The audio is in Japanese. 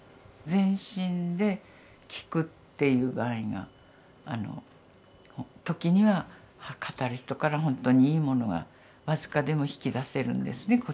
「全身できく」っていう場合が時には語る人からほんとにいいものが僅かでも引き出せるんですね。